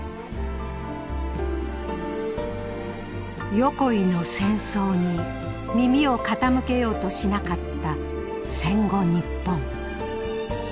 横井の戦争に耳を傾けようとしなかった戦後日本。